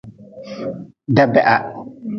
Dabeha.